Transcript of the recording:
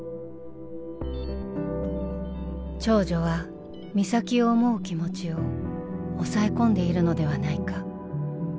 「長女は美咲を思う気持ちを押さえ込んでいるのではないか」。